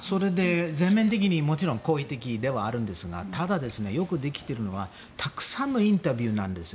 全面的にもちろん好意的ではあるんですがただ、よくできているのはたくさんのインタビューなんです。